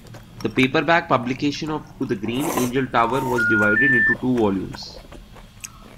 The paperback publication of "To Green Angel Tower" was divided into two volumes.